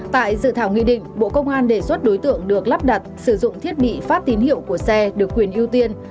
tại dự thảo nghị định bộ công an đề xuất đối tượng được lắp đặt sử dụng thiết bị phát tín hiệu của xe được quyền ưu tiên